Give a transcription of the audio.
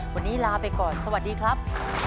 วันนี้ลาไปก่อนสวัสดีครับ